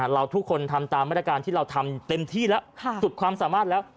เราทุกคนทำตามมาตรการที่เราทำเต็มที่แล้วสุดความสามารถแล้ว